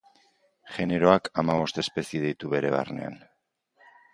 Generoak hamabost espezie ditu bere barnean.